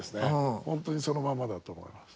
本当にそのまんまだと思います。